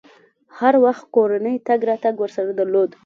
هر وخت کورنۍ تګ راتګ ورسره درلود.